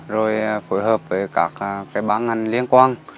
rồi phù hợp với các bán ngành liên quan